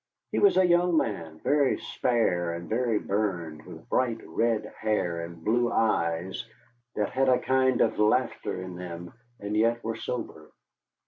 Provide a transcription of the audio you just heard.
He was a young man, very spare and very burned, with bright red hair and blue eyes that had a kind of laughter in them, and yet were sober.